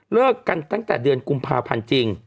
กันตั้งแต่เดือนกุมภาพันธ์จริง